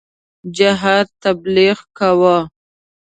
جهاد تبلیغ کاوه.